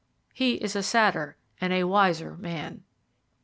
He is a sadder and a wiser man.